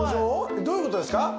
どういうことですか？